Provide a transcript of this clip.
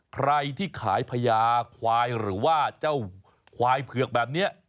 ใครที่ขายพญาควายหรือว่าเจ้าควายเผือกแบบนี้